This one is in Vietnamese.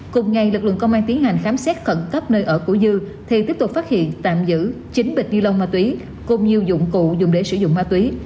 cùng ngày lực lượng công an tiến hành khám xét khẩn cấp nơi ở của dư thì tiếp tục phát hiện tạm giữ chín bịch ni lông ma túy cùng nhiều dụng cụ dùng để sử dụng ma túy